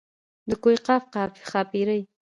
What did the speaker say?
د کوه قاف ښاپېرۍ.